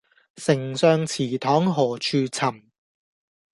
丞相祠堂何處尋